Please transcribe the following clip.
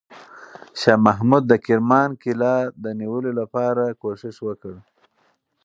شاه محمود د کرمان قلعه د نیولو لپاره کوښښ وکړ.